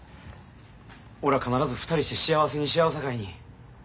俺ら必ず２人して幸せにし合うさかいに。